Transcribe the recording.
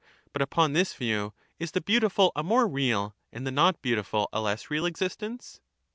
But upon this view, is the beautiful a more real and the not beautiful a less real existence